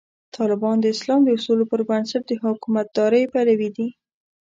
طالبان د اسلام د اصولو پر بنسټ د حکومتدارۍ پلوي دي.